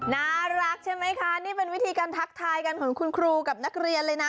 น่ารักใช่ไหมคะนี่เป็นวิธีการทักทายกันของคุณครูกับนักเรียนเลยนะ